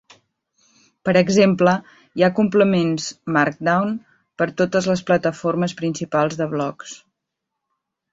Per exemple, hi ha complements Markdown per a totes les plataformes principals de blogs.